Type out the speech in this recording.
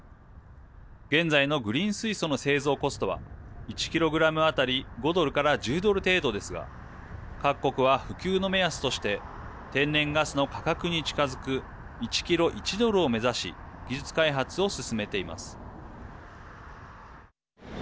現在のグリーン水素の製造コストは１キログラム当たり５ドルから１０ドル程度ですが各国は普及の目安として天然ガスの価格に近づく１キロ１ドルを目指し技術開発を進めています。